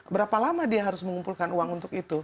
berapa lama dia harus mengumpulkan uang untuk itu